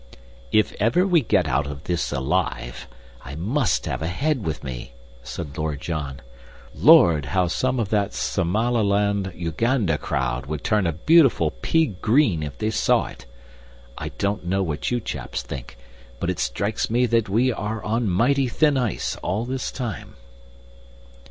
"If ever we get out of this alive, I must have a head with me," said Lord John. "Lord, how some of that Somaliland Uganda crowd would turn a beautiful pea green if they saw it! I don't know what you chaps think, but it strikes me that we are on mighty thin ice all this time."